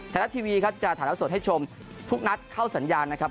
ไทยรัฐทีวีครับจะถ่ายละสดให้ชมทุกนัดเข้าสัญญาณนะครับ